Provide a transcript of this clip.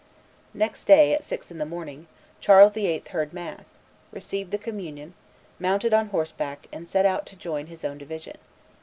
Next day, at six in the morning, Charles VIII. heard mass, received the communion, mounted on horseback, and set out to join his own division.